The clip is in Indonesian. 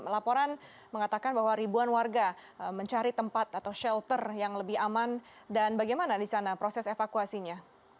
laporan mengatakan bahwa ribuan warga mencari tempat atau shelter yang lebih aman dan bagaimana di sana proses evakuasinya